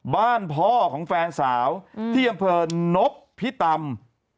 บ้านพ่อของแฟนสาวที่อำเภอนกพิตำ